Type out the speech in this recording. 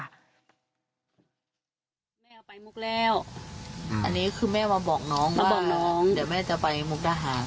อันนี้คือแม่มาบอกน้องว่าเดี๋ยวแม่จะไปมุกท้าหาง